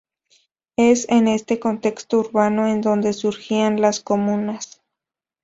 Es en este contexto urbano en donde surgirían las comunas.